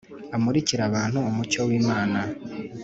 amurikire abantu umucyo w’Imana.